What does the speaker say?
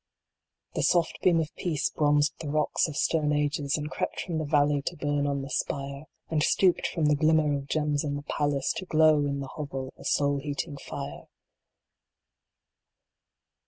The soft Beam of Peace bronzed the rocks of stern ages, And crept from the valley to burn on the spire ; 90 PRO P ATRIA. 91 And stooped from the glimmer of gems in the palace, To glow in the hovel a soul heating fire.